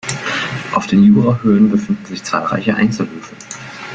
Auf den Jurahöhen befinden sich zahlreiche Einzelhöfe.